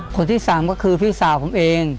คนที่สามก็คือพี่สาวผมเอง